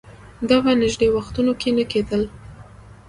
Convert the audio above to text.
دا په نژدې وختونو کې نه کېدل